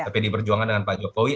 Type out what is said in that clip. pdip berjuangan dengan pak jokowi